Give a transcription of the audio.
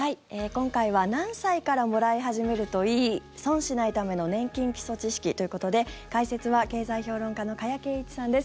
今回は何歳からもらい始めるといい？損しないための年金基礎知識ということで解説は経済評論家の加谷珪一さんです。